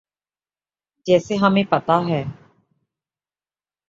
جیسے ہمیں پتہ ہے۔